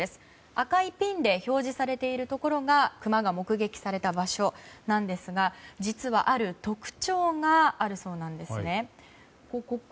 赤いピンで表示されているところがクマが目撃された場所なんですが実はある特徴があるそうなんですね。